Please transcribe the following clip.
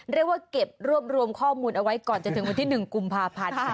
เรียกว่าเก็บรวบรวมข้อมูลเอาไว้ก่อนจะถึงวันที่๑กุมภาพันธ์